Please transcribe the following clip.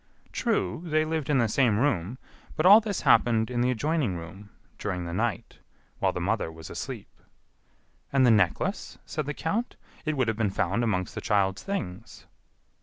"True, they lived in the same room, but all this happened in the adjoining room, during the night, while the mother was asleep." "And the necklace?" said the count. "It would have been found amongst the child's things."